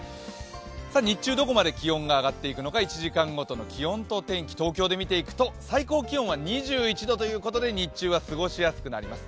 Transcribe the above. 日中どこまで気温が上がっていくのか１時間ごとの気温を東京で見ていくと、最高気温は２１度ということで日中は過ごしやすくなります。